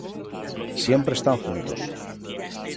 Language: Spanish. Siempre están juntos.